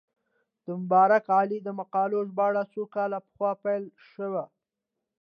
د مبارک علي د مقالو ژباړه څو کاله پخوا پیل شوه.